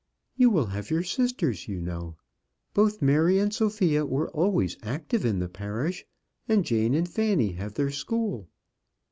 "You will have your sisters, you know. Both Mary and Sophia were always active in the parish, and Jane and Fanny have their school."